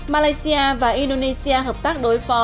malaysia và indonesia hợp tác đối phó